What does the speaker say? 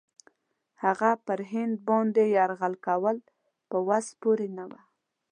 هغه پر هند باندي یرغل کول په وس پوره نه وه.